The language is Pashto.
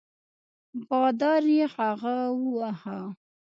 بادار یې هغه وواهه.